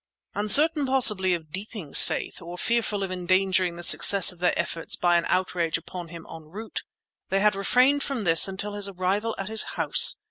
Uncertain, possibly, of Deeping's faith, or fearful of endangering the success of their efforts by an outrage upon him en route, they had refrained from this until his arrival at his house.